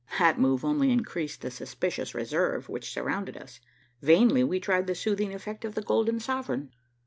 That move only increased the suspicious reserve which surrounded us. Vainly we tried the soothing effect of the golden sovereign.